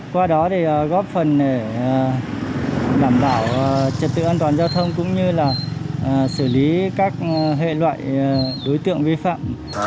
qua đó thì góp phần để đảm bảo trật tự an toàn giao thông cũng như là xử lý các hệ loại đối tượng vi phạm